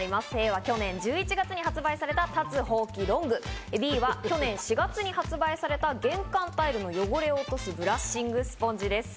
Ａは去年１１月に発売された立つほうきロング、Ｂは去年４月に発売された玄関タイルの汚れを落とすブラッシングスポンジです。